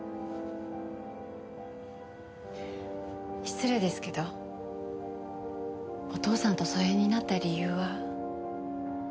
失礼ですけどお父さんと疎遠になった理由は？